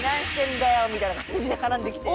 みたいな感じで絡んで来て。